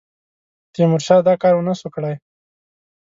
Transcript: تیمورشاه دا کار ونه سو کړای.